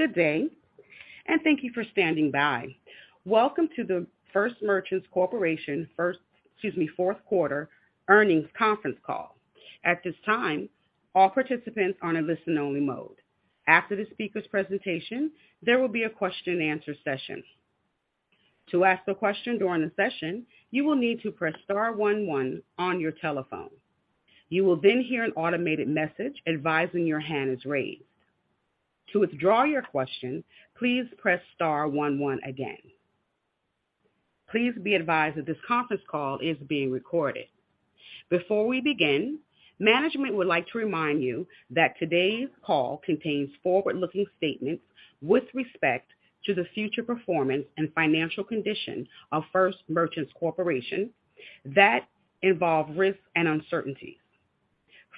Good day. Thank you for standing by. Welcome to the First Merchants Corporation first, excuse me, Q4 earnings conference call. At this time, all participants are in listen only mode. After the speaker's presentation, there will be a question answer session. To ask the question during the session, you will need to press star one one on your telephone. You will hear an automated message advising your hand is raised. To withdraw your question, please press star one one again. Please be advised that this conference call is being recorded. Before we begin, management would like to remind you that today's call contains forward-looking statements with respect to the future performance and financial condition of First Merchants Corporation that involve risks and uncertainties.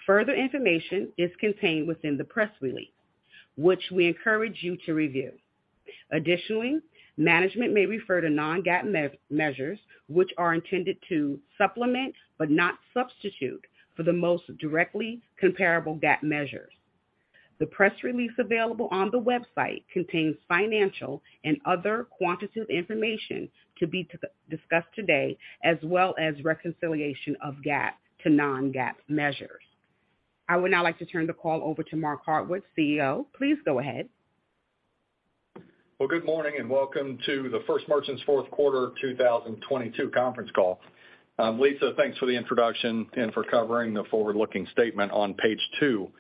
Further information is contained within the press release, which we encourage you to review. Additionally, management may refer to non-GAAP measures which are intended to supplement but not substitute for the most directly comparable GAAP measures. The press release available on the website contains financial and other quantitative information discussed today, as well as reconciliation of GAAP to non-GAAP measures. I would now like to turn the call over to Mark Hardwick, CEO. Please go ahead. Well, good morning and welcome to the First Merchants Q4 2022 conference call. Lisa, thanks for the introduction and for covering the forward-looking statement on page two.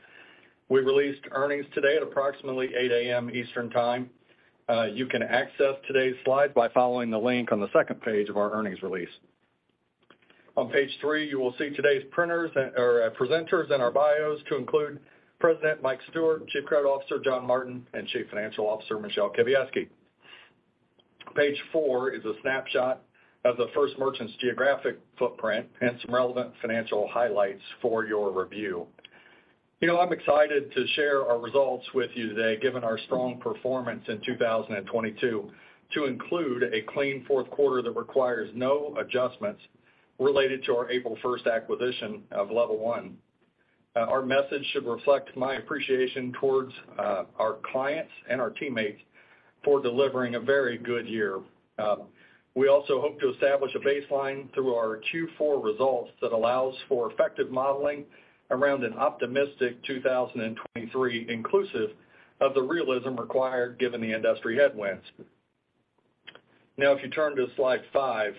We released earnings today at approximately 8:00 A.M. Eastern Time. You can access today's slides by following the link on the second page of our earnings release. On page three, you will see today's printers, or presenters and our bios to include President Mike Stewart, Chief Credit Officer John Martin, and Chief Financial Officer Michele Kawiecki. Page four is a snapshot of the First Merchants geographic footprint and some relevant financial highlights for your review. You know, I'm excited to share our results with you today, given our strong performance in 2022, to include a clean Q4 that requires no adjustments related to our April 1st acquisition of Level One. Our message should reflect my appreciation towards our clients and our teammates for delivering a very good year. We also hope to establish a baseline through our Q4 results that allows for effective modeling around an optimistic 2023 inclusive of the realism required given the industry headwinds. If you turn to slide five.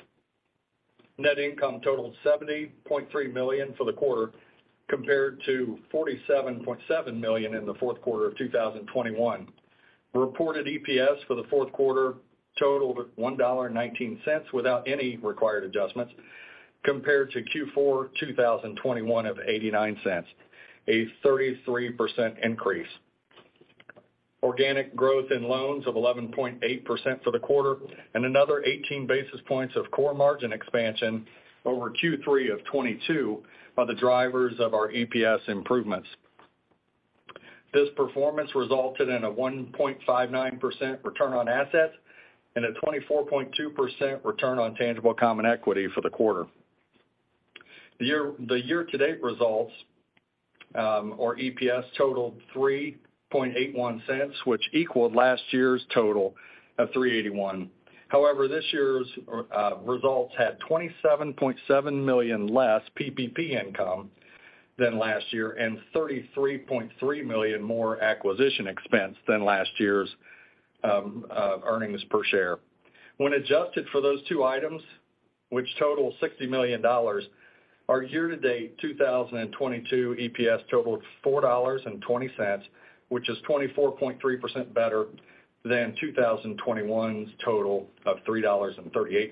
Net income totaled $70.3 million for the quarter compared to $47.7 million in the Q4 of 2021. Reported EPS for the Q4 totaled $1.19 without any required adjustments compared to Q4 2021 of $0.89, a 33% increase. Organic growth in loans of 11.8% for the quarter and another 18 basis points of core margin expansion over Q3 2022 are the drivers of our EPS improvements. This performance resulted in a 1.59% return on assets and a 24.2% return on tangible common equity for the quarter. The year-to-date results, or EPS totaled $0.0381, which equaled last year's total of $3.81. This year's results had $27.7 million less PPP income than last year and $33.3 million more acquisition expense than last year's earnings per share. When adjusted for those two items, which total $60 million, our year-to-date 2022 EPS totaled $4.20, which is 24.3% better than 2021's total of $3.38.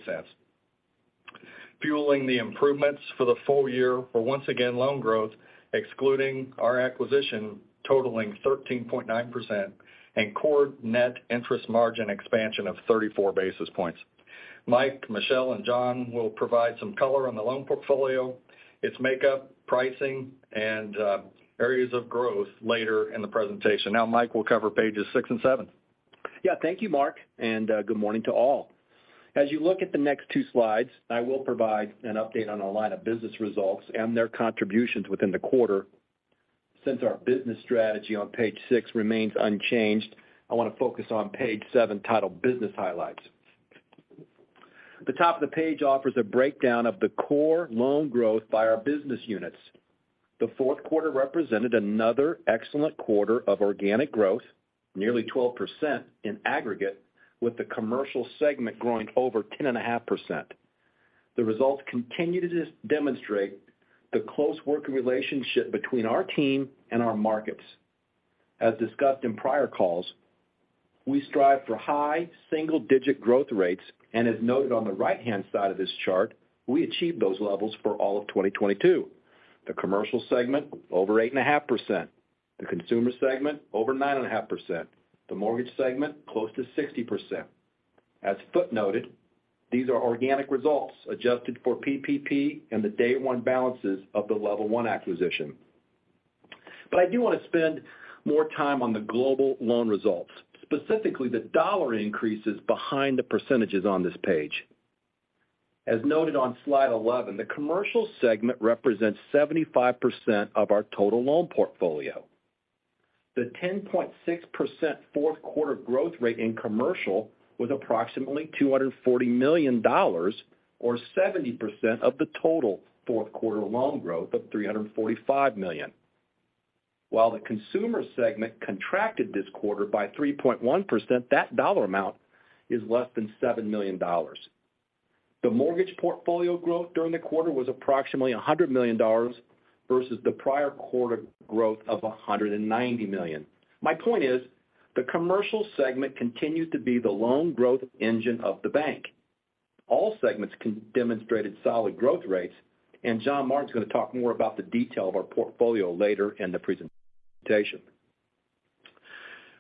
Fueling the improvements for the full year were once again loan growth, excluding our acquisition totaling 13.9% and core net interest margin expansion of 34 basis points. Mike, Michelle, and John will provide some color on the loan portfolio, its makeup, pricing, and areas of growth later in the presentation. Mike will cover pages six and seven. Yeah. Thank you, Mark, and good morning to all. As you look at the next two slides, I will provide an update on our line of business results and their contributions within the quarter. Since our business strategy on page six remains unchanged, I want to focus on page seven titled Business Highlights. The top of the page offers a breakdown of the core loan growth by our business units. The Q4 represented another excellent quarter of organic growth, nearly 12% in aggregate, with the commercial segment growing over 10.5%. The results continue to just demonstrate the close working relationship between our team and our markets. As discussed in prior calls, we strive for high single-digit growth rates, and as noted on the right-hand side of this chart, we achieved those levels for all of 2022. The commercial segment, over 8.5%. The consumer segment, over 9.5%. The mortgage segment, close to 60%. As footnoted, these are organic results adjusted for PPP and the day one balances of the Level One acquisition. I do want to spend more time on the global loan results, specifically the dollar increases behind the percentages on this page. As noted on slide 11, the commercial segment represents 75% of our total loan portfolio. The 10.6% Q4 growth rate in commercial was approximately $240 million or 70% of the total Q4 loan growth of $345 million. While the consumer segment contracted this quarter by 3.1%, that dollar amount is less than $7 million. The mortgage portfolio growth during the quarter was approximately $100 million versus the prior quarter growth of $190 million. My point is, the commercial segment continues to be the loan growth engine of the bank. All segments demonstrated solid growth rates, and John Martin's gonna talk more about the detail of our portfolio later in the presentation.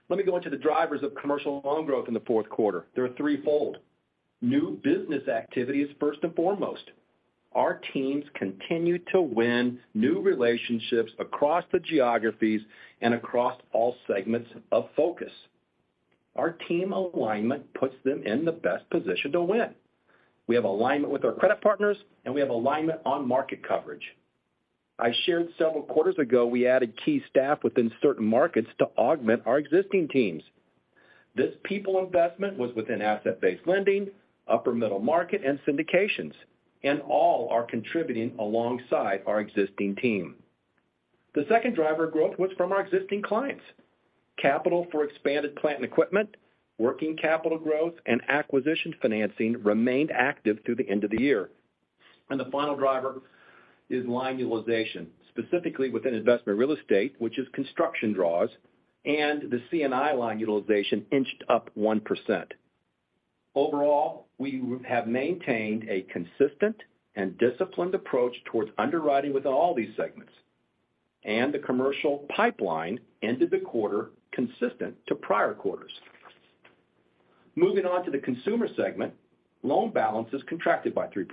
Let me go into the drivers of commercial loan growth in the Q4. They are threefold. New business activity is first and foremost. Our teams continue to win new relationships across the geographies and across all segments of focus. Our team alignment puts them in the best position to win. We have alignment with our credit partners, and we have alignment on market coverage. I shared several quarters ago we added key staff within certain markets to augment our existing teams. This people investment was within asset-based lending, upper middle market, and syndications, all are contributing alongside our existing team. The second driver of growth was from our existing clients. Capital for expanded plant and equipment, working capital growth, and acquisition financing remained active through the end of the year. The final driver is line utilization, specifically within investment real estate, which is construction draws and the C&I line utilization inched up 1%. Overall, we have maintained a consistent and disciplined approach towards underwriting with all these segments, the commercial pipeline ended the quarter consistent to prior quarters. Moving on to the consumer segment, loan balances contracted by 3%.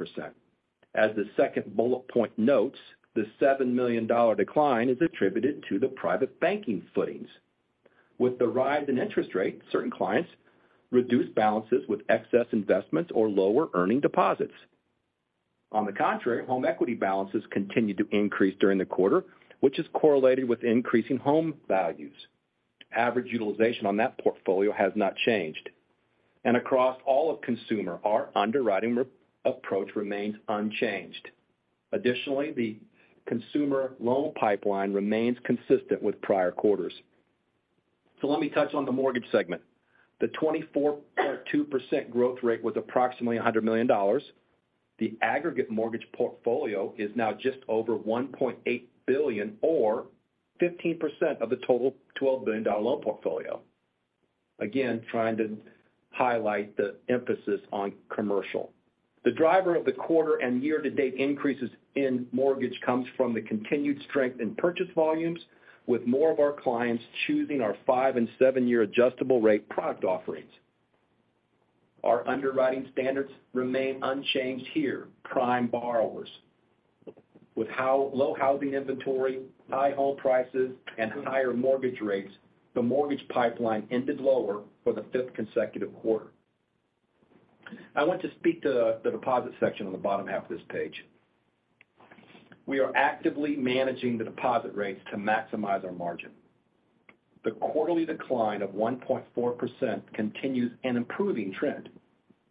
As the second bullet point notes, the $7 million decline is attributed to the private banking footings. With the rise in interest rates, certain clients reduced balances with excess investments or lower-earning deposits. Home equity balances continued to increase during the quarter, which is correlated with increasing home values. Average utilization on that portfolio has not changed. Across all of consumer, our underwriting re-approach remains unchanged. Additionally, the consumer loan pipeline remains consistent with prior quarters. Let me touch on the mortgage segment. The 24.2% growth rate was approximately $100 million. The aggregate mortgage portfolio is now just over $1.8 billion or 15% of the total $12 billion loan portfolio. Again, trying to highlight the emphasis on commercial. The driver of the quarter and year-to-date increases in mortgage comes from the continued strength in purchase volumes, with more of our clients choosing our five-and-seven-year adjustable rate product offerings. Our underwriting standards remain unchanged here, prime borrowers. With how low housing inventory, high home prices, and higher mortgage rates, the mortgage pipeline ended lower for the fifth consecutive quarter. I want to speak to the deposit section on the bottom half of this page. We are actively managing the deposit rates to maximize our margin. The quarterly decline of 1.4% continues an improving trend.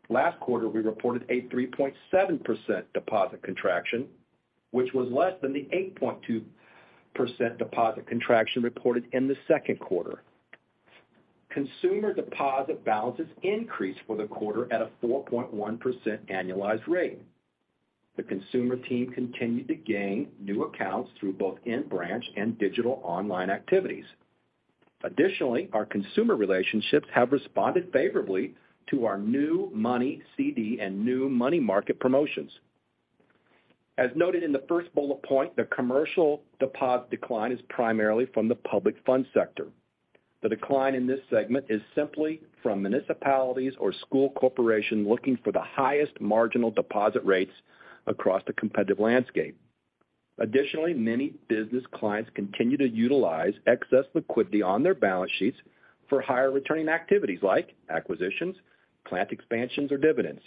Last quarter, we reported a 3.7% deposit contraction, which was less than the 8.2% deposit contraction reported in the Q2. Consumer deposit balances increased for the quarter at a 4.1% annualized rate. The consumer team continued to gain new accounts through both in-branch and digital online activities. Additionally, our consumer relationships have responded favorably to our new money CD and new money market promotions. As noted in the first bullet point, the commercial deposit decline is primarily from the public funds sector. The decline in this segment is simply from municipalities or school corporations looking for the highest marginal deposit rates across the competitive landscape. Additionally, many business clients continue to utilize excess liquidity on their balance sheets for higher-returning activities like acquisitions, plant expansions, or dividends.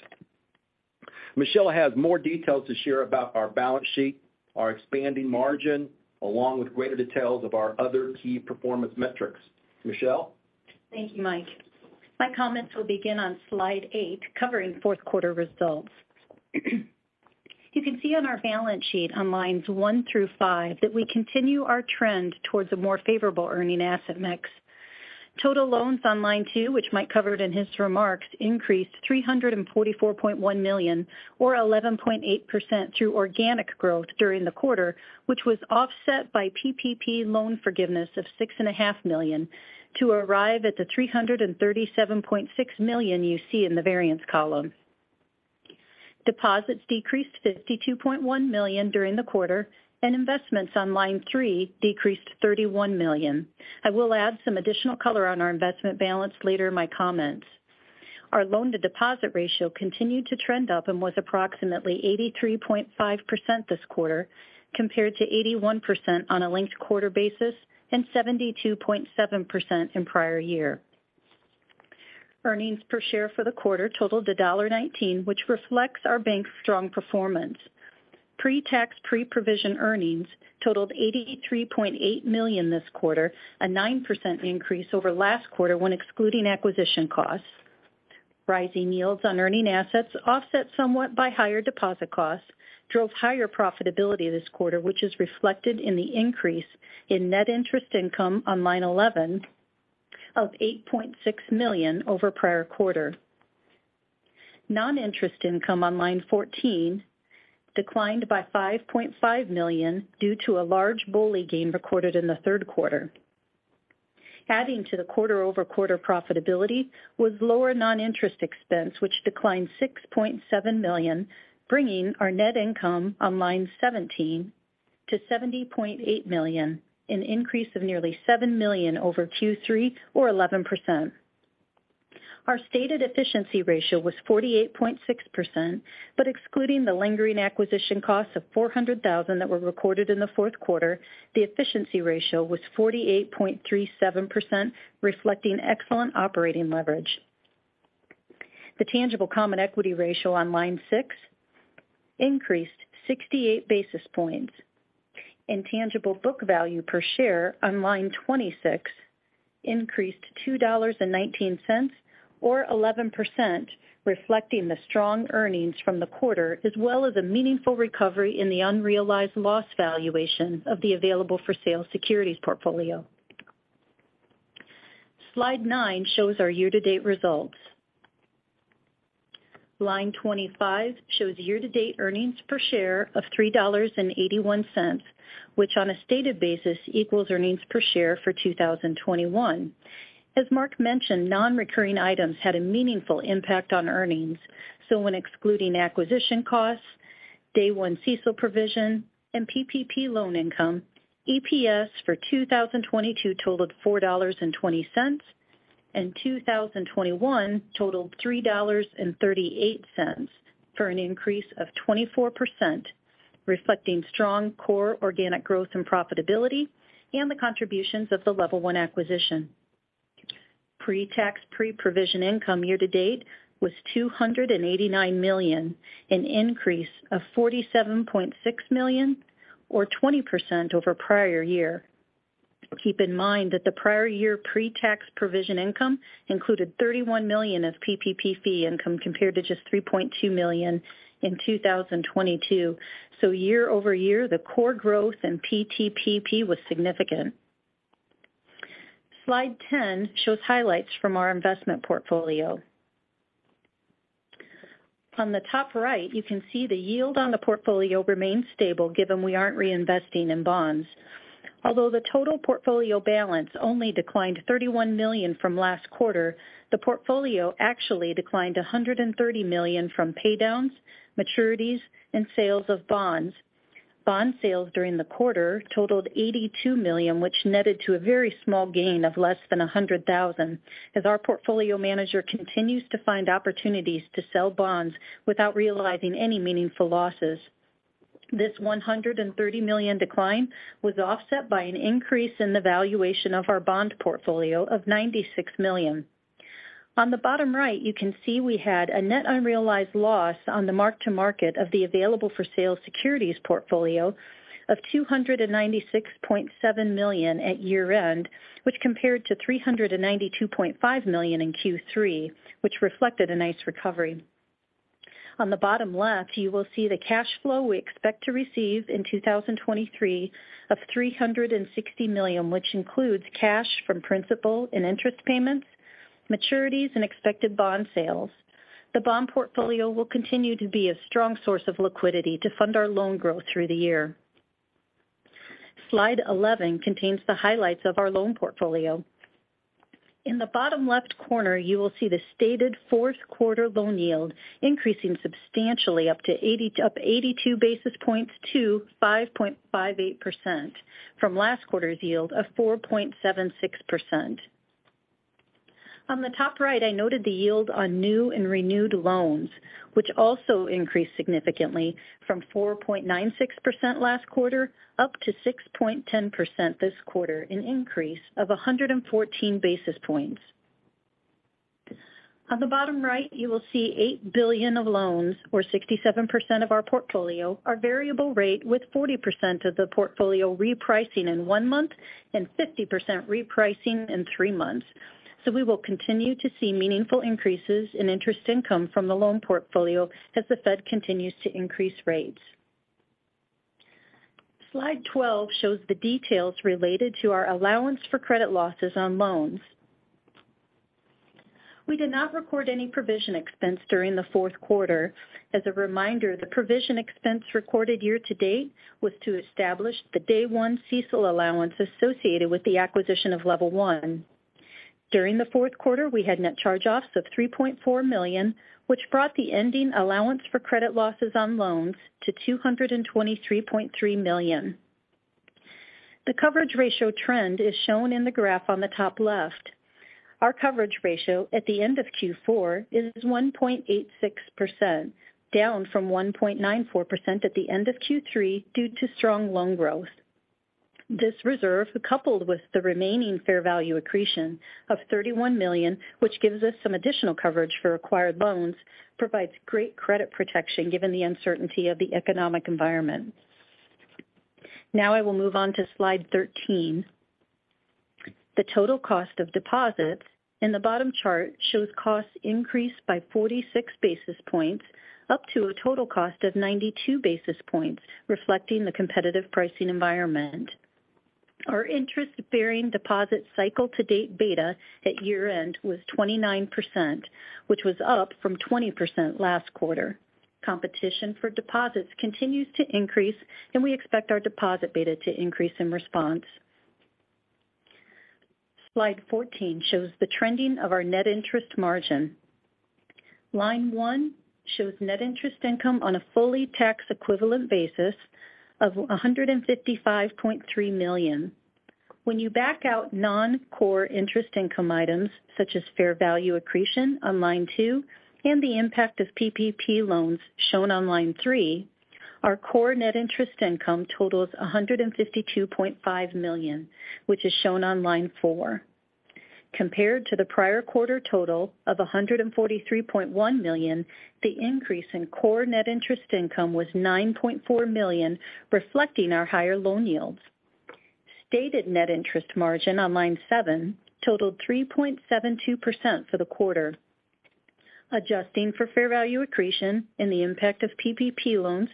Michele has more details to share about our balance sheet, our expanding margin, along with greater details of our other key performance metrics. Michele? Thank you, Mike. My comments will begin on slide eight, covering Q4 results. You can see on our balance sheet on lines one through five that we continue our trend towards a more favorable earning asset mix. Total loans on line two, which Mike covered in his remarks, increased $344.1 million or 11.8% through organic growth during the quarter, which was offset by PPP loan forgiveness of six and a half million to arrive at the $337.6 million you see in the variance column. Deposits decreased $52.1 million during the quarter, and investments on line three decreased $31 million. I will add some additional color on our investment balance later in my comments. Our loan-to-deposit ratio continued to trend up and was approximately 83.5% this quarter compared to 81% on a linked-quarter basis and 72.7% in prior year. Earnings per share for the quarter totaled $1.19, which reflects our bank's strong performance. Pre-tax, pre-provision earnings totaled $83.8 million this quarter, a 9% increase over last quarter when excluding acquisition costs. Rising yields on earning assets offset somewhat by higher deposit costs drove higher profitability this quarter, which is reflected in the increase in net interest income on line 11 of $8.6 million over prior quarter. Non-interest income on line 14 declined by $5.5 million due to a large BOLI gain recorded in the Q3. Adding to the quarter-over-quarter profitability was lower non-interest expense, which declined $6.7 million, bringing our net income on line 17 to $70.8 million, an increase of nearly $7 million over Q3 or 11%. Our stated efficiency ratio was 48.6%, but excluding the lingering acquisition costs of $400,000 that were recorded in the Q4, the efficiency ratio was 48.37%, reflecting excellent operating leverage. The tangible common equity ratio on line six increased 68 basis points, and tangible book value per share on line 26 increased $2.19 or 11%, reflecting the strong earnings from the quarter as well as a meaningful recovery in the unrealized loss valuation of the available for sale securities portfolio. Slide nine shows our year-to-date results. Line 25 shows year-to-date earnings per share of $3.81, which on a stated basis equals earnings per share for 2021. As Mark mentioned, non-recurring items had a meaningful impact on earnings. When excluding acquisition costs, day one CECL provision, and PPP loan income, EPS for 2022 totaled $4.20, and 2021 totaled $3.38 for an increase of 24%, reflecting strong core organic growth and profitability and the contributions of the Level One acquisition. Pre-tax, pre-provision income year-to-date was $289 million, an increase of $47.6 million or 20% over prior year. Keep in mind that the prior year pre-tax, pre-provision income included $31 million of PPP fee income compared to just $3.2 million in 2022. Year-over-year, the core growth in PTPP was significant. Slide 10 shows highlights from our investment portfolio. On the top right, you can see the yield on the portfolio remains stable given we aren't reinvesting in bonds. Although the total portfolio balance only declined $31 million from last quarter, the portfolio actually declined $130 million from pay downs, maturities, and sales of bonds. Bond sales during the quarter totaled $82 million, which netted to a very small gain of less than $100,000 as our portfolio manager continues to find opportunities to sell bonds without realizing any meaningful losses. This $130 million decline was offset by an increase in the valuation of our bond portfolio of $96 million. On the bottom right, you can see we had a net unrealized loss on the mark-to-market of the available for sale securities portfolio of $296.7 million at year-end, which compared to $392.5 million in Q3, which reflected a nice recovery. On the bottom left, you will see the cash flow we expect to receive in 2023 of $360 million, which includes cash from principal and interest payments, maturities, and expected bond sales. The bond portfolio will continue to be a strong source of liquidity to fund our loan growth through the year. Slide 11 contains the highlights of our loan portfolio. In the bottom left corner, you will see the stated Q4 loan yield increasing substantially 82 basis points to 5.58% from last quarter's yield of 4.76%. On the top right, I noted the yield on new and renewed loans, which also increased significantly from 4.96% last quarter up to 6.10% this quarter, an increase of 114 basis points. On the bottom right, you will see $8 billion of loans, or 67% of our portfolio are variable rate with 40% of the portfolio repricing in one month and 50% repricing in three months. We will continue to see meaningful increases in interest income from the loan portfolio as the Fed continues to increase rates. Slide 12 shows the details related to our allowance for credit losses on loans. We did not record any provision expense during the Q4. As a reminder, the provision expense recorded year to date was to establish the day one CECL allowance associated with the acquisition of Level One. During the Q4, we had net charge offs of $3.4 million, which brought the ending allowance for credit losses on loans to $223.3 million. The coverage ratio trend is shown in the graph on the top left. Our coverage ratio at the end of Q4 is 1.86%, down from 1.94% at the end of Q3 due to strong loan growth. This reserve, coupled with the remaining fair value accretion of $31 million, which gives us some additional coverage for acquired loans, provides great credit protection given the uncertainty of the economic environment. I will move on to slide 13. The total cost of deposits in the bottom chart shows costs increased by 46 basis points, up to a total cost of 92 basis points, reflecting the competitive pricing environment. Our interest-bearing deposit cycle to date beta at year-end was 29%, which was up from 20% last quarter. Competition for deposits continues to increase, we expect our deposit beta to increase in response. Slide 14 shows the trending of our net interest margin. Line one shows net interest income on a fully tax equivalent basis of $155.3 million. When you back out non-core interest income items such as fair value accretion on line two and the impact of PPP loans shown on line three, our core net interest income totals $152.5 million, which is shown on line four. Compared to the prior quarter total of $143.1 million, the increase in core net interest income was $9.4 million, reflecting our higher loan yields. Stated net interest margin on line seven totaled 3.72% for the quarter. Adjusting for fair value accretion and the impact of PPP loans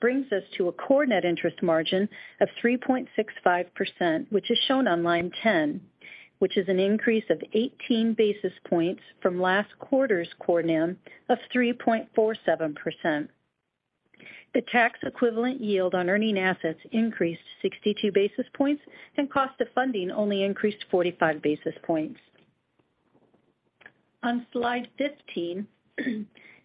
brings us to a core net interest margin of 3.65%, which is shown on line 10, which is an increase of 18 basis points from last quarter's core NIM of 3.47%. The tax equivalent yield on earning assets increased 62 basis points. Cost of funding only increased 45 basis points. On slide 15,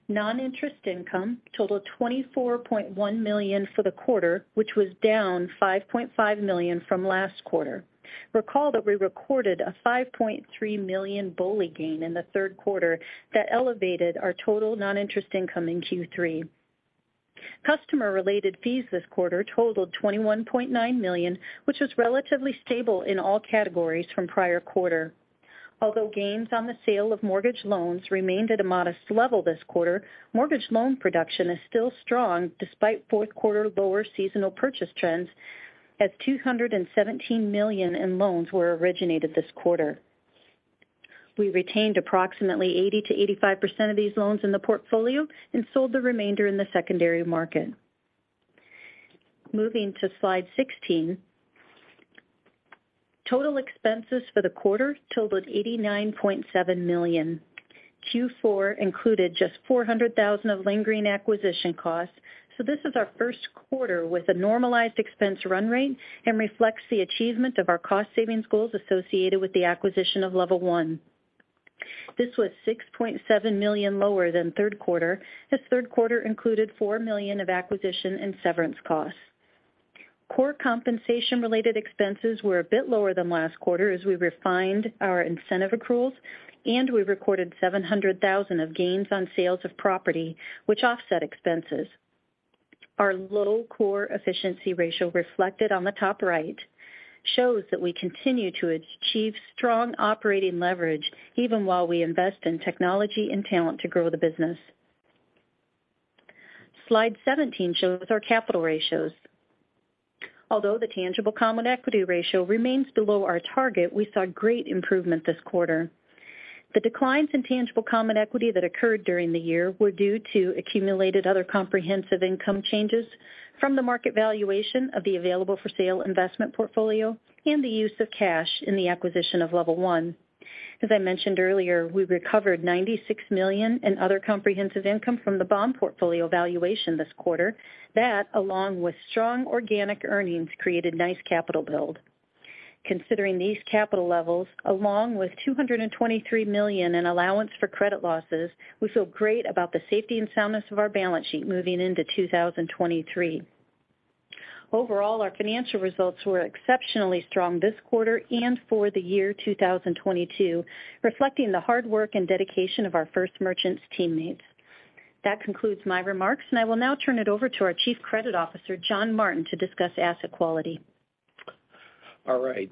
non-interest income totaled $24.1 million for the quarter, which was down $5.5 million from last quarter. Recall that we recorded a $5.3 million BOLI gain in the Q3 that elevated our total non-interest income in Q3. Customer-related fees this quarter totaled $21.9 million, which was relatively stable in all categories from prior quarter. Although gains on the sale of mortgage loans remained at a modest level this quarter, mortgage loan production is still strong despite Q4 lower seasonal purchase trends as $217 million in loans were originated this quarter. We retained approximately 80%-85% of these loans in the portfolio and sold the remainder in the secondary market. Moving to slide 16. Total expenses for the quarter totaled $89.7 million. Q4 included just $400,000 of lingering acquisition costs, so this is our Q1 with a normalized expense run rate and reflects the achievement of our cost savings goals associated with the acquisition of Level One. This was $6.7 million lower than Q3, as Q3 included $4 million of acquisition and severance costs. Core compensation related expenses were a bit lower than last quarter as we refined our incentive accruals. We recorded $700,000 of gains on sales of property which offset expenses. Our low core efficiency ratio reflected on the top right shows that we continue to achieve strong operating leverage even while we invest in technology and talent to grow the business. Slide 17 shows our capital ratios. Although the tangible common equity ratio remains below our target, we saw great improvement this quarter. The declines in tangible common equity that occurred during the year were due to accumulated other comprehensive income changes from the market valuation of the available for sale investment portfolio and the use of cash in the acquisition of Level One. As I mentioned earlier, we recovered $96 million in other comprehensive income from the bond portfolio valuation this quarter. That, along with strong organic earnings, created nice capital build. Considering these capital levels, along with $223 million in allowance for credit losses, we feel great about the safety and soundness of our balance sheet moving into 2023. Overall, our financial results were exceptionally strong this quarter and for the year 2022, reflecting the hard work and dedication of our First Merchants teammates. That concludes my remarks, and I will now turn it over to our Chief Credit Officer, John Martin, to discuss asset quality. All right.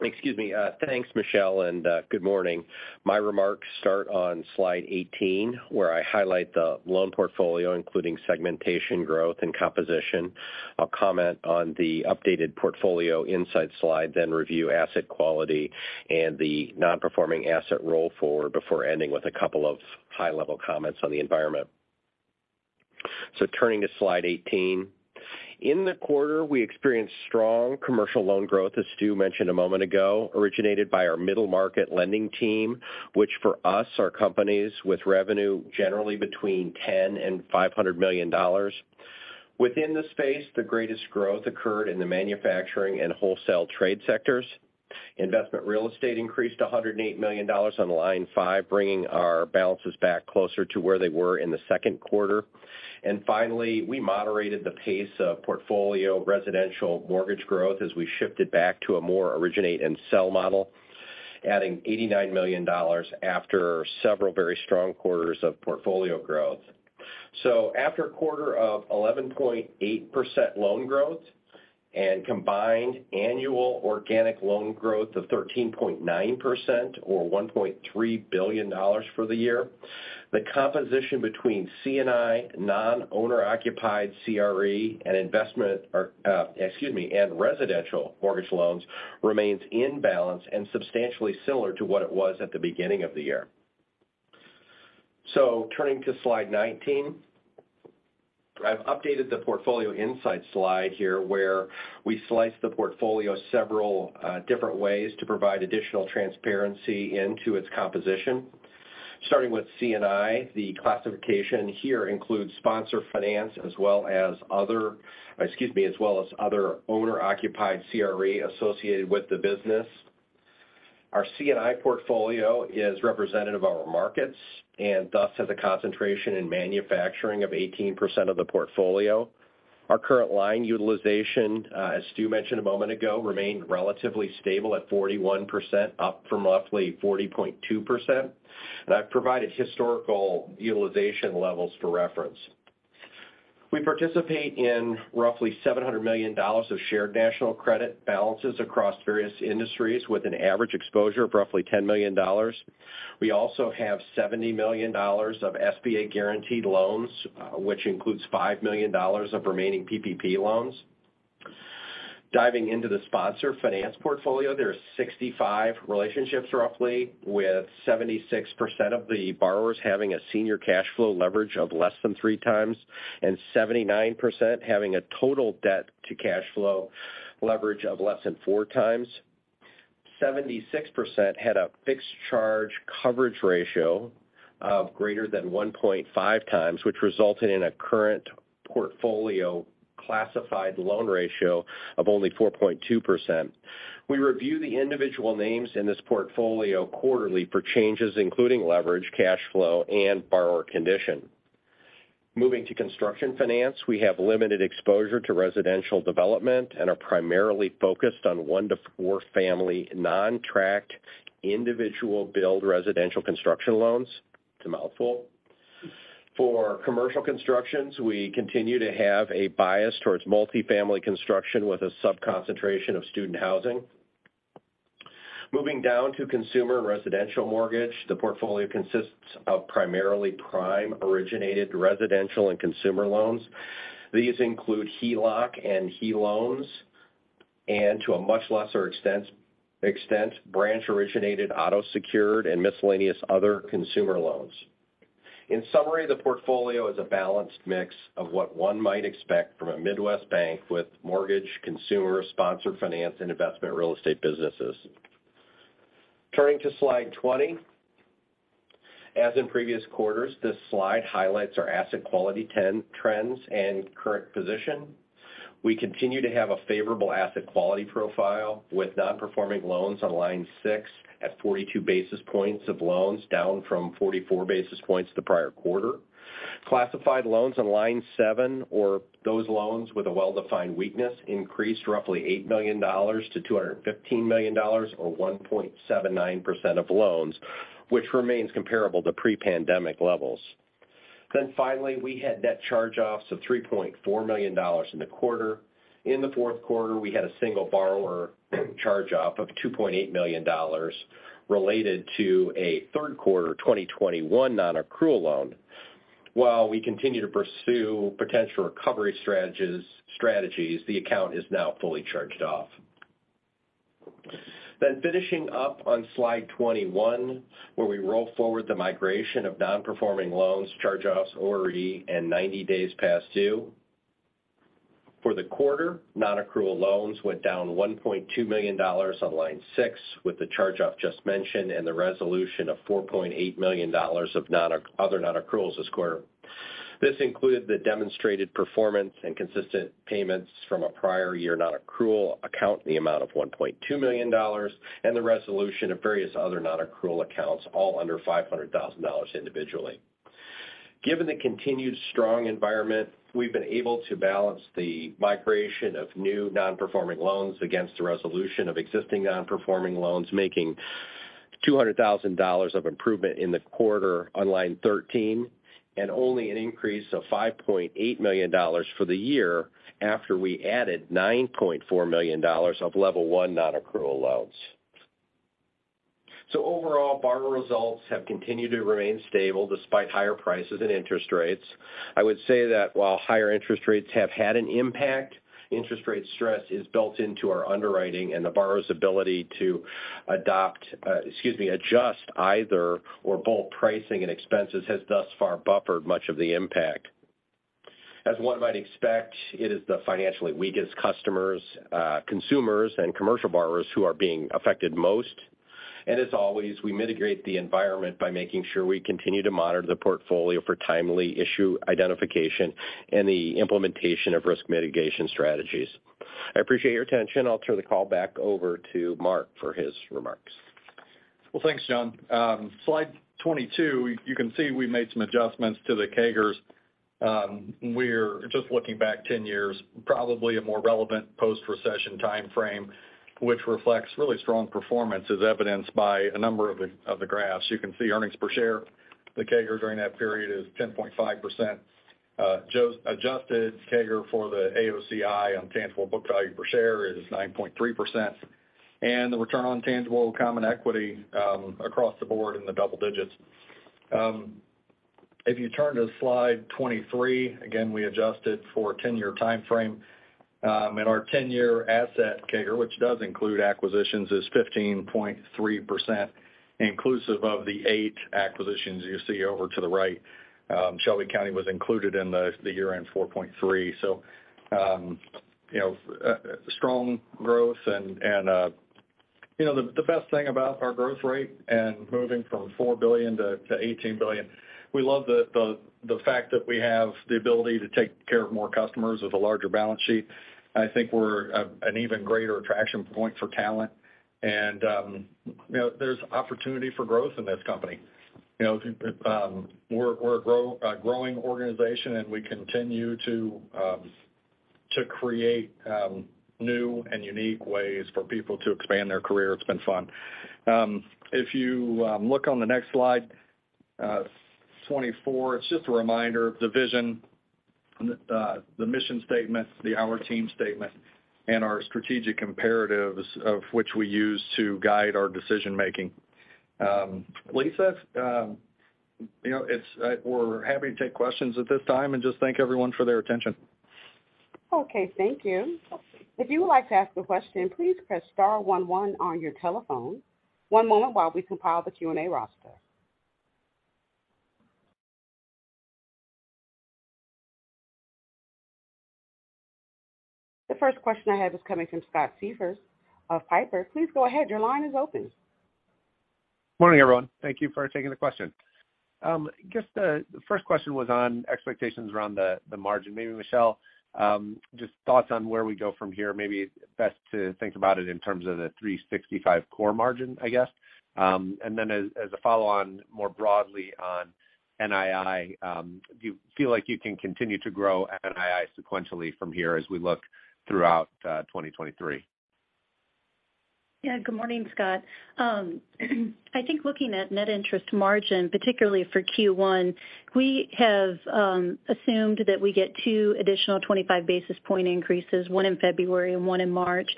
Excuse me. Thanks, Michele, and good morning. My remarks start on slide 18, where I highlight the loan portfolio, including segmentation, growth, and composition. I'll comment on the updated portfolio insight slide, then review asset quality and the non-performing asset roll forward before ending with a couple of high-level comments on the environment. Turning to slide 18. In the quarter, we experienced strong commercial loan growth, as Mike Stewart mentioned a moment ago, originated by our middle market lending team, which for us are companies with revenue generally between $10 million and $500 million. Within the space, the greatest growth occurred in the manufacturing and wholesale trade sectors. Investment real estate increased $108 million on line five, bringing our balances back closer to where they were in the Q2. Finally, we moderated the pace of portfolio residential mortgage growth as we shifted back to a more originate and sell model, adding $89 million after several very strong quarters of portfolio growth. After a quarter of 11.8% loan growth and combined annual organic loan growth of 13.9% or $1.3 billion for the year, the composition between C&I, non-owner occupied CRE and investment or, excuse me, and residential mortgage loans remains in balance and substantially similar to what it was at the beginning of the year. Turning to slide 19. I've updated the portfolio insight slide here where we slice the portfolio several different ways to provide additional transparency into its composition. Starting with C&I, the classification here includes sponsor finance as well as other, excuse me, as well as other owner-occupied CRE associated with the business. Our C&I portfolio is representative of our markets and thus has a concentration in manufacturing of 18% of the portfolio. Our current line utilization, as Stu mentioned a moment ago, remained relatively stable at 41%, up from roughly 40.2%. I've provided historical utilization levels for reference. We participate in roughly $700 million of Shared National Credit balances across various industries with an average exposure of roughly $10 million. We also have $70 million of SBA guaranteed loans, which includes $5 million of remaining PPP loans. Diving into the sponsor finance portfolio, there are 65 relationships roughly with 76% of the borrowers having a senior cash flow leverage of less than 3x and 79% having a total debt to cash flow leverage of less than 4x. 76% had a fixed charge coverage ratio of greater than 1.5x, which resulted in a current portfolio classified loan ratio of only 4.2%. We review the individual names in this portfolio quarterly for changes including leverage, cash flow, and borrower condition. Moving to construction finance, we have limited exposure to residential development and are primarily focused on one to four family non-tracked individual build residential construction loans. It's a mouthful. For commercial constructions, we continue to have a bias towards multifamily construction with a sub-concentration of student housing. Moving down to consumer residential mortgage, the portfolio consists of primarily prime originated residential and consumer loans. These include HELOC and HELOAN, and to a much lesser extent, branch originated auto secured and miscellaneous other consumer loans. In summary, the portfolio is a balanced mix of what one might expect from a Midwest bank with mortgage, consumer, sponsor finance, and investment real estate businesses. Turning to slide 20. As in previous quarters, this slide highlights our asset quality trends and current position. We continue to have a favorable asset quality profile with non-performing loans on line six at 42 basis points of loans down from 44 basis points the prior quarter. Classified loans on line seven or those loans with a well-defined weakness increased roughly $8 million to $215 million or 1.79% of loans, which remains comparable to pre-pandemic levels. Finally, we had net charge-offs of $3.4 million in the quarter. In the Q4, we had a single borrower charge-off of $2.8 million related to a Q3 2021 non-accrual loan. While we continue to pursue potential recovery strategies, the account is now fully charged off. Finishing up on slide 21, where we roll forward the migration of non-performing loans, charge-offs, ORE, and 90 days past due. For the quarter, non-accrual loans went down $1.2 million on line six with the charge-off just mentioned and the resolution of $4.8 million of other non-accruals this quarter. This included the demonstrated performance and consistent payments from a prior year non-accrual account in the amount of $1.2 million, and the resolution of various other non-accrual accounts, all under $500,000 individually. Given the continued strong environment, we've been able to balance the migration of new non-performing loans against the resolution of existing non-performing loans, making $200,000 of improvement in the quarter on line 13 and only an increase of $5.8 million for the year after we added $9.4 million of level one non-accrual loans. Overall, borrower results have continued to remain stable despite higher prices and interest rates. I would say that while higher interest rates have had an impact, interest rate stress is built into our underwriting and the borrower's ability to adopt, excuse me, adjust either or both pricing and expenses has thus far buffered much of the impact. As one might expect, it is the financially weakest customers, consumers and commercial borrowers who are being affected most. As always, we mitigate the environment by making sure we continue to monitor the portfolio for timely issue identification and the implementation of risk mitigation strategies. I appreciate your attention. I'll turn the call back over to Mark for his remarks. Well, thanks, John. Slide 22, you can see we made some adjustments to the CAGRs. We're just looking back 10 years, probably a more relevant post-recession time frame, which reflects really strong performance, as evidenced by a number of the graphs. You can see earnings per share. The CAGR during that period is 10.5%. Just adjusted CAGR for the AOCI on tangible book value per share is 9.3%. The return on tangible common equity across the board in the double digits. If you turn to slide 23, again, we adjusted for a 10 year time frame. Our 10 year asset CAGR, which does include acquisitions, is 15.3%, inclusive of the eight acquisitions you see over to the right. Shelby County Bank was included in the year-end 4.3%. Strong growth, the best thing about our growth rate and moving from $4 billion to $18 billion, we love the fact that we have the ability to take care of more customers with a larger balance sheet. I think we're an even greater attraction point for talent. There's opportunity for growth in this company. We're a growing organization, and we continue to create new and unique ways for people to expand their career. It's been fun. If you look on the next slide, 24, it's just a reminder of the vision, the mission statement, our team statement, and our strategic imperatives of which we use to guide our decision-making. Lisa, you know, it's, we're happy to take questions at this time and just thank everyone for their attention. Okay, thank you. If you would like to ask a question, please press star one one on your telephone. One moment while we compile the Q&A roster. The first question I have is coming from Scott Siefers of Piper. Please go ahead. Your line is open. Morning, everyone. Thank you for taking the question. The first question was on expectations around the margin. Maybe Michele, thoughts on where we go from here, maybe best to think about it in terms of the 365 core margin, I guess. Then as a follow-on more broadly on NII, do you feel like you can continue to grow NII sequentially from here as we look throughout 2023? Yeah. Good morning, Scott. I think looking at net interest margin, particularly for Q1, we have assumed that we get two additional 25 basis point increases, one in February and one in March.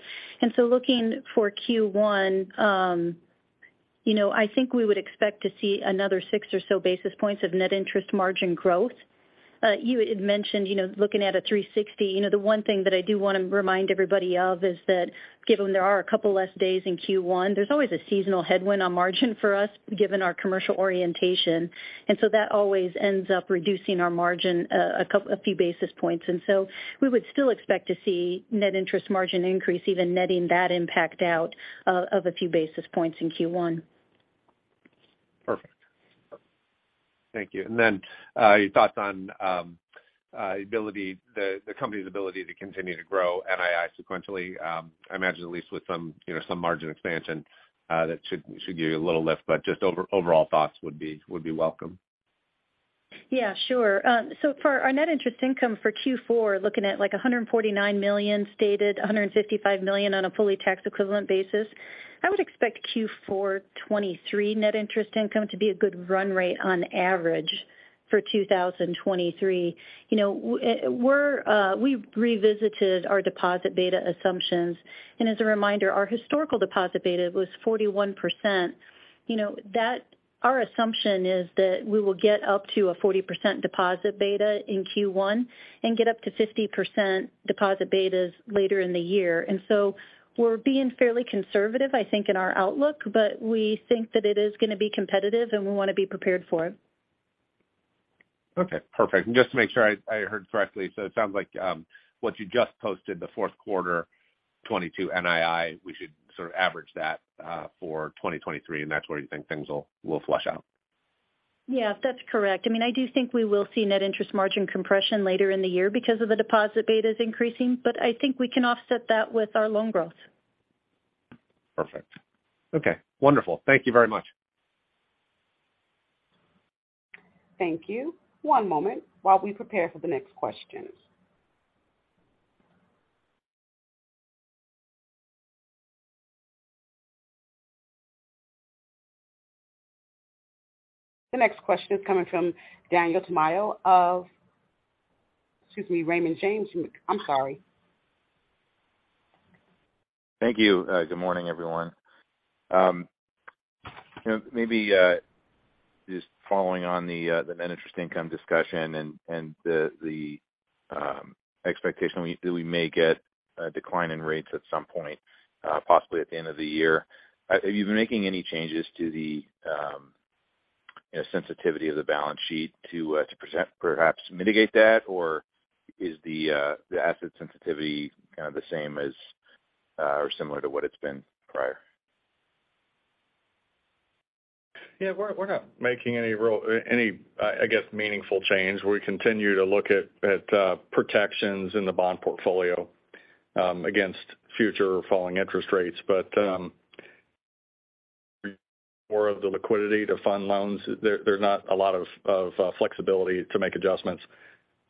Looking for Q1, you know, I think we would expect to see another six or so basis points of net interest margin growth. You had mentioned, you know, looking at a 360. You know, the one thing that I do want to remind everybody of is that given there are a couple less days in Q1, there's always a seasonal headwind on margin for us, given our commercial orientation. That always ends up reducing our margin a few basis points. We would still expect to see net interest margin increase, even netting that impact out of a few basis points in Q1. Perfect. Thank you. Then, your thoughts on the company's ability to continue to grow NII sequentially, I imagine at least with some, you know, some margin expansion, that should give you a little lift, just overall thoughts would be welcome. Yeah, sure. For our net interest income for Q4, looking at, like, $149 million stated, $155 million on a fully tax equivalent basis, I would expect Q4 2023 net interest income to be a good run rate on average for 2023. You know, we revisited our deposit beta assumptions. As a reminder, our historical deposit beta was 41%. You know, Our assumption is that we will get up to a 40% deposit beta in Q1 and get up to 50% deposit betas later in the year. We're being fairly conservative, I think, in our outlook, but we think that it is gonna be competitive and we wanna be prepared for it. Okay, perfect. Just to make sure I heard correctly, it sounds like what you just posted, the Q4 2022 NII, we should sort of average that for 2023, that's where you think things will flush out. Yeah, that's correct. I mean, I do think we will see net interest margin compression later in the year because of the deposit betas increasing, but I think we can offset that with our loan growth. Perfect. Okay, wonderful. Thank you very much. Thank you. One moment while we prepare for the next question. The next question is coming from Daniel Tamayo. Excuse me, Raymond James. I'm sorry. Thank you. Good morning, everyone. You know, maybe, just following on the net interest income discussion and the expectation that we may get a decline in rates at some point, possibly at the end of the year. Have you been making any changes to the sensitivity of the balance sheet to present, perhaps mitigate that? Or is the asset sensitivity kind of the same as or similar to what it's been prior? Yeah, we're not making any real, any, I guess meaningful change. We continue to look at protections in the bond portfolio against future falling interest rates. More of the liquidity to fund loans. There's not a lot of flexibility to make adjustments.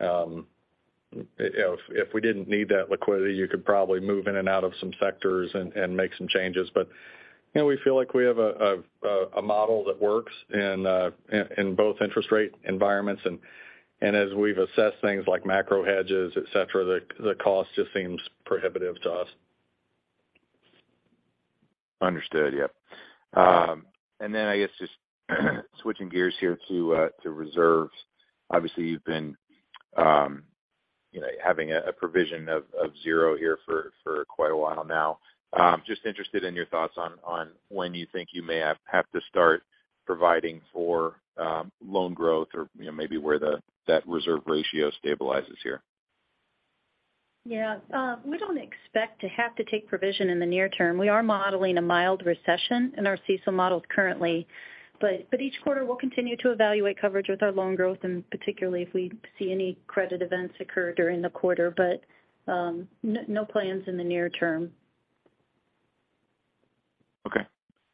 If we didn't need that liquidity, you could probably move in and out of some sectors and make some changes. You know, we feel like we have a model that works in both interest rate environments. As we've assessed things like macro hedges, et cetera, the cost just seems prohibitive to us. Understood. Yep. I guess just switching gears here to reserves. Obviously, you've been, you know, having a provision of 0 here for quite a while now. Just interested in your thoughts on when you think you may have to start providing for loan growth or, you know, maybe where that reserve ratio stabilizes here. Yeah. We don't expect to have to take provision in the near term. We are modeling a mild recession in our CECL models currently, but each quarter we'll continue to evaluate coverage with our loan growth, and particularly if we see any credit events occur during the quarter. No plans in the near term. Okay.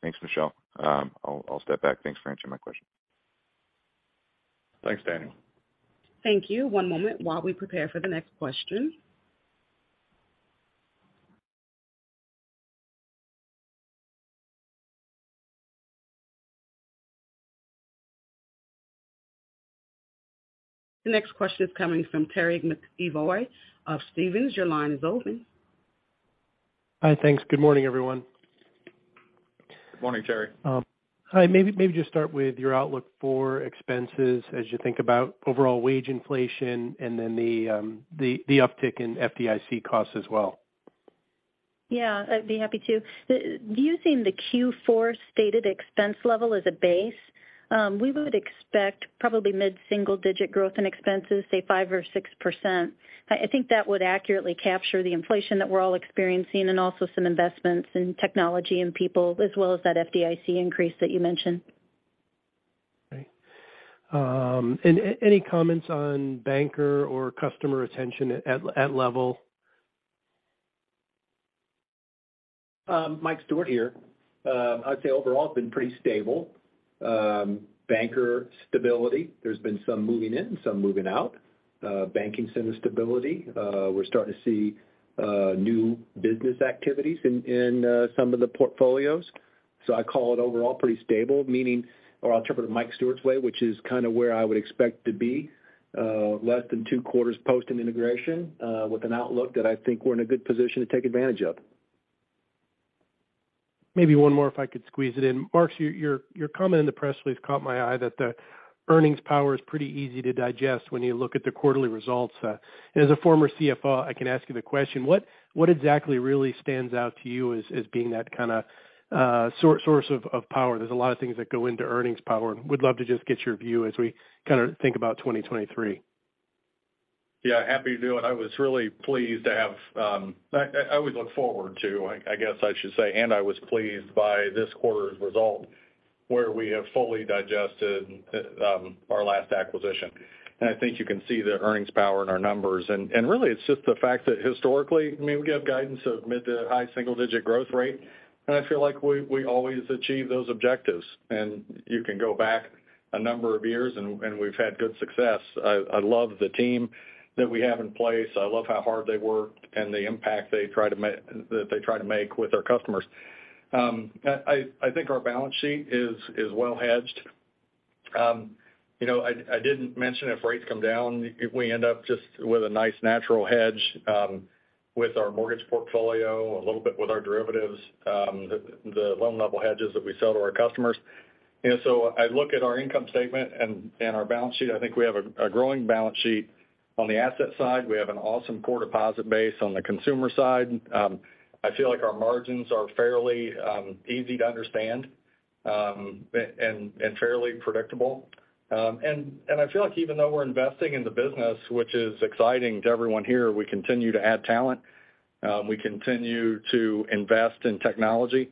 Thanks, Michele. I'll step back. Thanks for answering my question. Thanks, Danny. Thank you. One moment while we prepare for the next question. The next question is coming from Terry McEvoy of Stephens. Your line is open. Hi. Thanks. Good morning, everyone. Good morning, Terry. Hi. Maybe just start with your outlook for expenses as you think about overall wage inflation and then the uptick in FDIC costs as well. Yeah, I'd be happy to. Using the Q4 stated expense level as a base, we would expect probably mid-single digit growth in expenses, say 5% or 6%. I think that would accurately capture the inflation that we're all experiencing and also some investments in technology and people as well as that FDIC increase that you mentioned. Great. Any comments on banker or customer retention at Level? Mike Stewart here. I'd say overall it's been pretty stable. Banker stability, there's been some moving in and some moving out. Banking center stability, we're starting to see new business activities in, some of the portfolios. I call it overall pretty stable, meaning or I'll interpret it Mike Stewart's way, which is kind of where I would expect to be, less than two quarters post an integration, with an outlook that I think we're in a good position to take advantage of. Maybe one more, if I could squeeze it in. Mark, your comment in the press release caught my eye that the earnings power is pretty easy to digest when you look at the quarterly results. As a former CFO, I can ask you the question: What exactly really stands out to you as being that kinda source of power? There's a lot of things that go into earnings power. Would love to just get your view as we kinda think about 2023. Yeah, happy to do it. I was really pleased to have, I always look forward to, I guess I should say, and I was pleased by this quarter's result, where we have fully digested our last acquisition. I think you can see the earnings power in our numbers. Really it's just the fact that historically, I mean, we give guidance of mid to high single digit growth rate, and I feel like we always achieve those objectives. You can go back a number of years and we've had good success. I love the team that we have in place. I love how hard they work and the impact they try to make with our customers. I think our balance sheet is well hedged. you know, I didn't mention if rates come down, we end up just with a nice natural hedge, with our mortgage portfolio, a little bit with our derivatives, the loan level hedges that we sell to our customers. You know, I look at our income statement and our balance sheet. I think we have a growing balance sheet. On the asset side, we have an awesome core deposit base. On the consumer side, I feel like our margins are fairly easy to understand and fairly predictable. I feel like even though we're investing in the business, which is exciting to everyone here, we continue to add talent, we continue to invest in technology,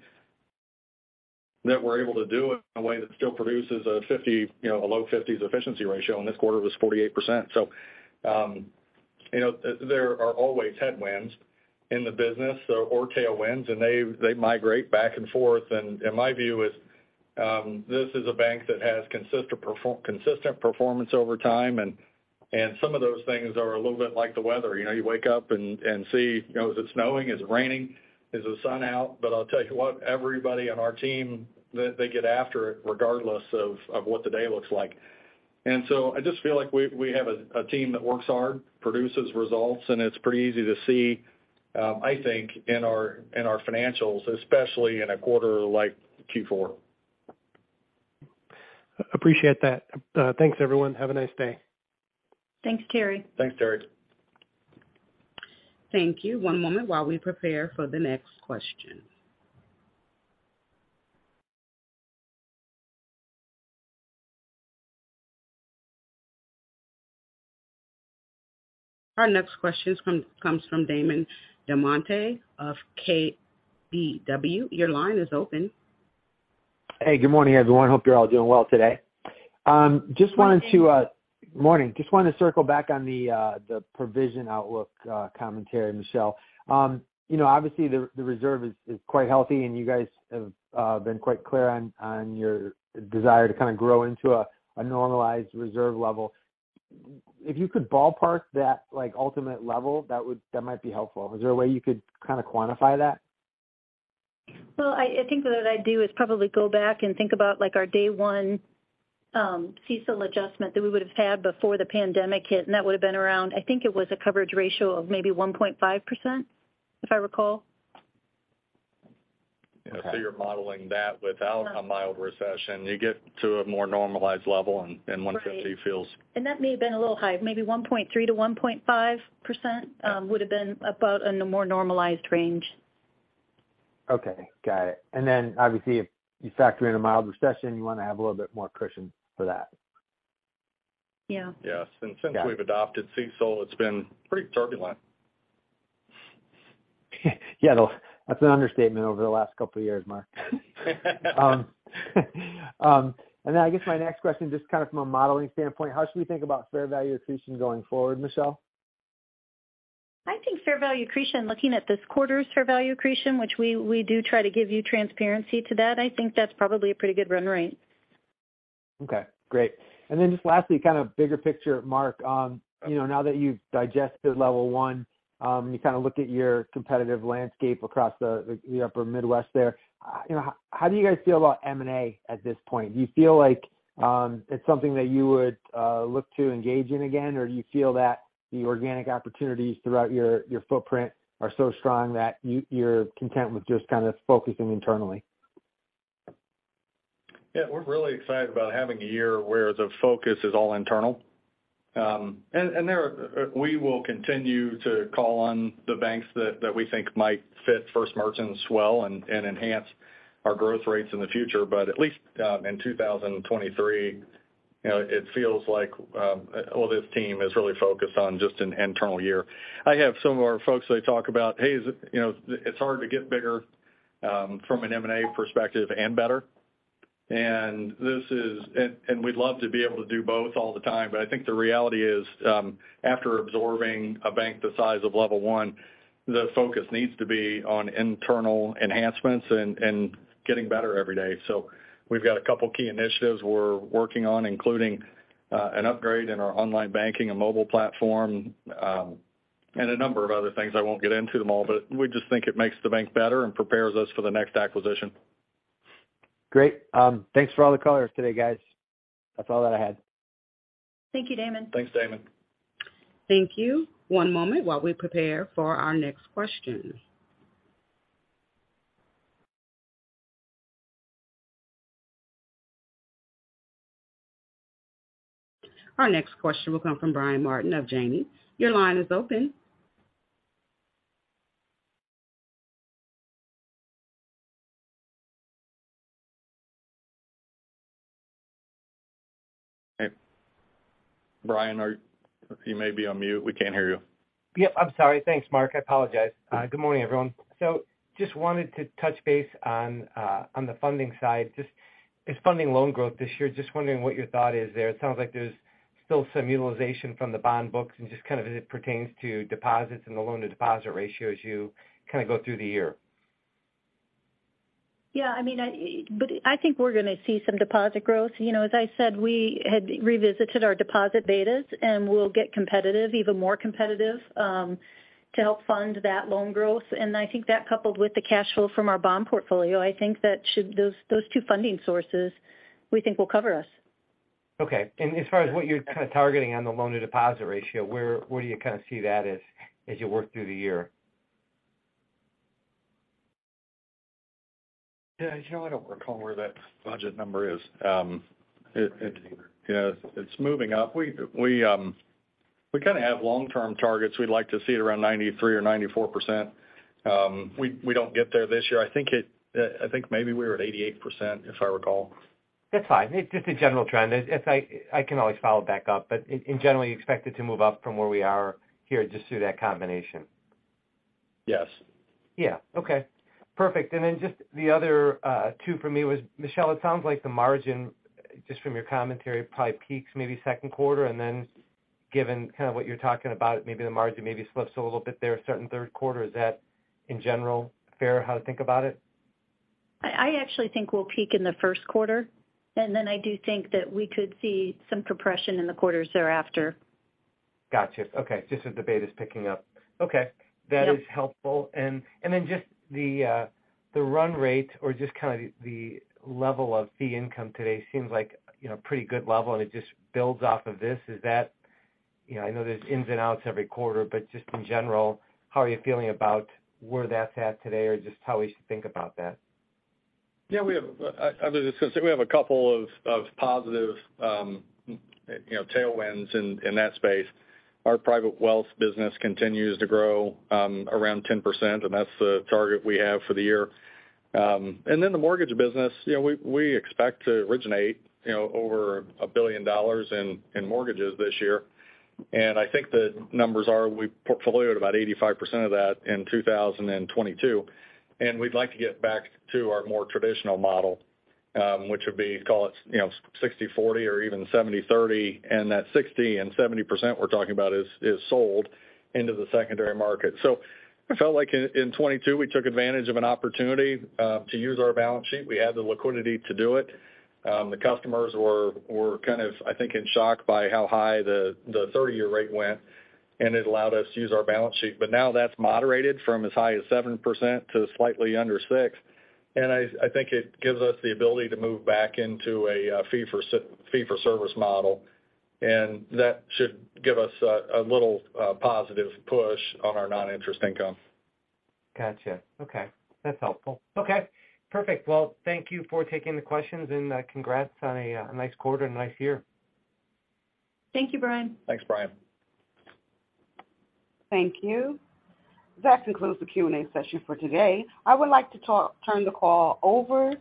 that we're able to do it in a way that still produces a 50, you know, a low 50s efficiency ratio, and this quarter was 48%. You know, there are always headwinds in the business or tailwinds, and they migrate back and forth. My view is, this is a bank that has consistent performance over time. Some of those things are a little bit like the weather. You know, you wake up and see, you know, is it snowing, is it raining, is the sun out? I'll tell you what, everybody on our team, they get after it regardless of what the day looks like. I just feel like we have a team that works hard, produces results, and it's pretty easy to see, I think in our financials, especially in a quarter like Q4. Appreciate that. Thanks, everyone. Have a nice day. Thanks, Terry. Thanks, Terry. Thank you. One moment while we prepare for the next question. Our next question comes from Damon DelMonte of KBW. Your line is open. Hey, good morning, everyone. Hope you're all doing well today. Just wanted to... Morning. Morning. Just wanted to circle back on the provision outlook, commentary, Michelle. You know, obviously the reserve is quite healthy and you guys have been quite clear on your desire to kind of grow into a normalized reserve level. If you could ballpark that, like, ultimate level that might be helpful. Is there a way you could kind of quantify that? Well, I think what I'd do is probably go back and think about like our day one, CECL adjustment that we would've had before the pandemic hit. That would've been around, I think it was a coverage ratio of maybe 1.5%, if I recall. Okay. Yeah. you're modeling that without a mild recession, you get to a more normalized level and 150 feels- Right. That may have been a little high. Maybe 1.3%-1.5% would've been about in a more normalized range. Okay. Got it. Obviously if you factor in a mild recession, you wanna have a little bit more cushion for that. Yeah. Yes. Yeah. Since we've adopted CECL, it's been pretty turbulent. Yeah, that's an understatement over the last couple of years, Mark. I guess my next question, just kind of from a modeling standpoint, how should we think about fair value accretion going forward, Michelle? I think fair value accretion, looking at this quarter's fair value accretion, which we do try to give you transparency to that. I think that's probably a pretty good run rate. Okay. Great. Just lastly, kind of bigger picture, Mark, you know, now that you've digested Level One, you kind of looked at your competitive landscape across the, the upper Midwest there. How do you guys feel about M&A at this point? Do you feel like it's something that you would look to engage in again? Or do you feel that the organic opportunities throughout your footprint are so strong that you're content with just kind of focusing internally? Yeah. We're really excited about having a year where the focus is all internal. We will continue to call on the banks that we think might fit First Merchants well and enhance our growth rates in the future. At least, in 2023, you know, it feels like all this team is really focused on just an internal year. I have some of our folks, they talk about, hey, is it, you know, it's hard to get bigger from an M&A perspective, and better. We'd love to be able to do both all the time, I think the reality is, after absorbing a bank the size of Level One, the focus needs to be on internal enhancements and getting better every day. We've got a couple key initiatives we're working on, including an upgrade in our online banking and mobile platform, and a number of other things. I won't get into them all, but we just think it makes the bank better and prepares us for the next acquisition. Great. Thanks for all the color today, guys. That's all that I had. Thank you, Damon. Thanks, Damon. Thank you. One moment while we prepare for our next question. Our next question will come from Brian Martin of Janney. Your line is open. Hey. Brian, you may be on mute. We can't hear you. Yep. I'm sorry. Thanks, Mark. I apologize. Good morning, everyone. Just wanted to touch base on the funding side. Just as funding loan growth this year, just wondering what your thought is there. It sounds like there's still some utilization from the bond books and just kind of as it pertains to deposits and the loan to deposit ratio as you kind of go through the year. I mean, I think we're gonna see some deposit growth. You know, as I said, we had revisited our deposit betas. We'll get competitive, even more competitive, to help fund that loan growth. I think that coupled with the cash flow from our bond portfolio, I think that those two funding sources we think will cover us. Okay. As far as what you're kind of targeting on the loan to deposit ratio, where do you kinda see that as you work through the year? Yeah. You know, I don't recall where that budget number is. It, you know, it's moving up. We kind of have long-term targets. We'd like to see it around 93% or 94%. We don't get there this year. I think maybe we were at 88%, if I recall. That's fine. It's just a general trend. I can always follow back up, but in general, you expect it to move up from where we are here just through that combination. Yes. Yeah. Okay. Perfect. Just the other, two for me was, Michele, it sounds like the margin just from your commentary probably peaks maybe Q2, and then given kind of what you're talking about, maybe the margin maybe slips a little bit there starting Q3. Is that in general fair how to think about it? I actually think we'll peak in the Q1, and then I do think that we could see some compression in the quarters thereafter. Gotcha. Okay. Just as the beta's picking up. Okay. Yeah. That is helpful. Then just the run rate or just kind of the level of fee income today seems like, you know, pretty good level and it just builds off of this. Is that, you know, I know there's ins and outs every quarter, but just in general, how are you feeling about where that's at today or just how we should think about that? Yeah. We have a couple of positive, you know, tailwinds in that space. Our private wealth business continues to grow, around 10%, and that's the target we have for the year. The mortgage business, you know, we expect to originate, you know, over $1 billion in mortgages this year. I think the numbers are, we portfolioed about 85% of that in 2022, and we'd like to get back to our more traditional model, which would be, call it, you know, 60/40 or even 70/30. That 60% and 70% we're talking about is sold into the secondary market. I felt like in 2022 we took advantage of an opportunity to use our balance sheet. We had the liquidity to do it. The customers were kind of I think in shock by how high the 30 year rate went, and it allowed us to use our balance sheet. Now that's moderated from as high as 7% to slightly under 6%, and I think it gives us the ability to move back into a fee for service model. That should give us a little positive push on our non-interest income. Gotcha. Okay. That's helpful. Okay, perfect. Thank you for taking the questions and, congrats on a nice quarter and a nice year. Thank you, Brian. Thanks, Brian. Thank you. That concludes the Q&A session for today. I would like to turn the call over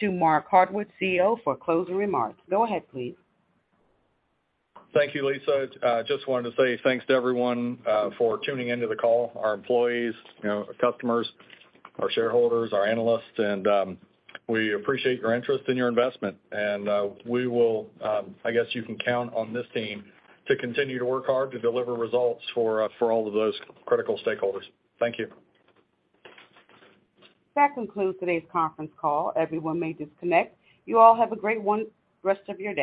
to Mark Hardwick, CEO, for closing remarks. Go ahead, please. Thank you, Lisa. Just wanted to say thanks to everyone for tuning into the call. Our employees, you know, our customers, our shareholders, our analysts. We appreciate your interest and your investment. We will, I guess you can count on this team to continue to work hard to deliver results for all of those critical stakeholders. Thank you. That concludes today's conference call. Everyone may disconnect. You all have a great rest of your day.